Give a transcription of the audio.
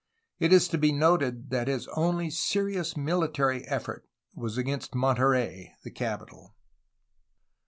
It is to be noted that his only serious mihtary effort was against Monterey, the capital.